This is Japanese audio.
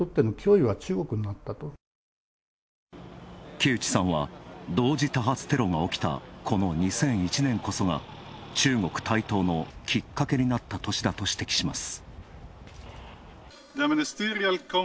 木内さんは同時多発テロが起きたこの２００１年こそが中国台頭のきっかけになった年だと指摘します。